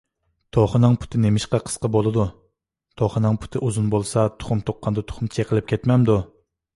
_ توخۇنىڭ پۇتى نېمىشقا قىسقا بولىدۇ؟ _ توخۇنىڭ پۇتى ئۇزۇن بولسا، تۇخۇم تۇغقاندا تۇخۇم چېقىلىپ كەتمەمدۇ؟